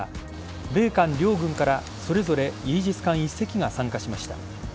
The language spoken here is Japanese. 米韓両軍からそれぞれイージス艦１隻が参加しました。